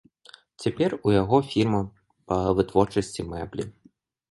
Цяпер у яго фірма па вытворчасці мэблі.